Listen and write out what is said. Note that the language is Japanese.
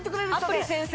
アプリ先生が。